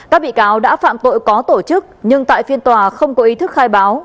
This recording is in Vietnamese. các bị cáo đã phạm tội có tổ chức nhưng tại phiên tòa không có ý thức khai báo